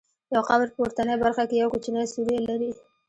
یو قبر په پورتنۍ برخه کې یو کوچنی سوری لري.